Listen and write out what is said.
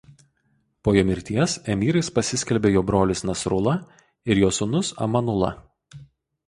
Po jo mirties emyrais pasiskelbė jo brolis Nasrula ir jo sūnus Amanula.